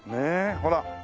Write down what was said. ほら。